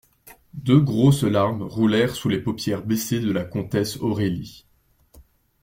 Deux grosses larmes roulèrent sous les paupières baissées de la comtesse Aurélie.